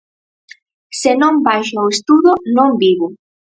Se non baixo ao estudo non vivo.